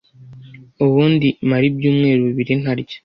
ubundi mara ibyumweru bibiri ntarya,